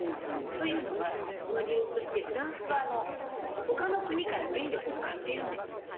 というのは、その理由としてフランスはほかの国から電力を買ってるんですよ。